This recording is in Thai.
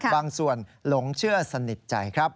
บางส่วนหลงเชื่อสนิทใจครับ